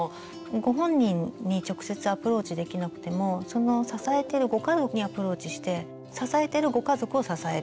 ご本人に直接アプローチできなくてもその支えてるご家族にアプローチして支えてるご家族を支える。